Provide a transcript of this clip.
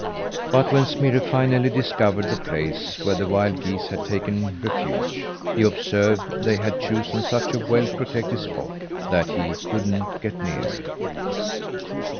But when Smirre finally discovered the place where the wild geese had taken refuge, he observed they had chosen such a well protected spot, that he couldn't get near.